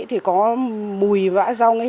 thì có mùi vã rong ấy